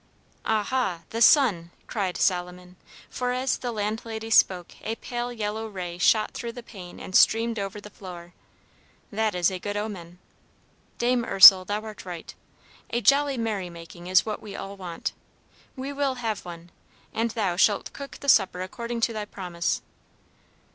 "Aha, the sun!" cried Solomon; for as the landlady spoke, a pale yellow ray shot through the pane and streamed over the floor. "That is a good omen. Dame Ursel, thou art right. A jolly merrymaking is what we all want. We will have one, and thou shalt cook the supper according to thy promise."